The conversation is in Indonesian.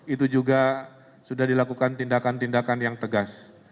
itu juga sudah dilakukan tindakan tindakan yang tegas